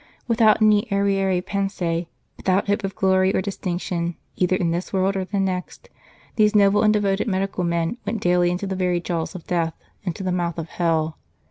Without any arriere pensee, without hope of glory or distinction either in this world or the next, these noble and devoted medical men went daily into the very jaws of death, into the mouth of hell.